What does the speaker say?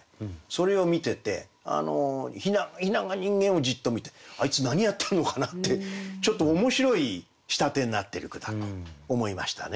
それを見てて雛が人間をじっと見てあいつ何やってんのかな？ってちょっと面白い仕立てになってる句だと思いましたね